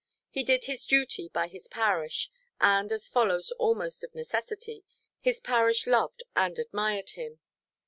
He did his duty by his parish; and, as follows almost of necessity, his parish loved and admired him.